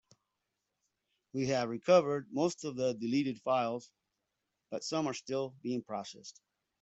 We have recovered most of the deleted files, but some are still being processed.